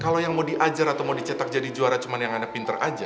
kalau yang mau diajar atau mau dicetak jadi juara cuma yang ada pinter aja